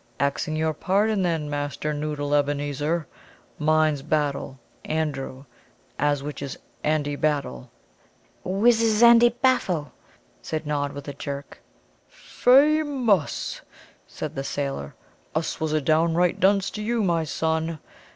"Axing your pardon, then, Master Noddle Ebenezer, mine's Battle Andrew, as which is Andy, Battle." "Whizzizandy Baffle," said Nod, with a jerk. "Fam_ous_!" said the sailor. "Us was a downright dunce to you, my son.